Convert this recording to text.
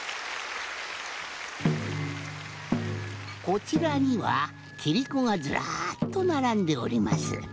こちらにはキリコがずらっとならんでおります。